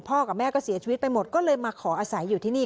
กับแม่ก็เสียชีวิตไปหมดก็เลยมาขออาศัยอยู่ที่นี่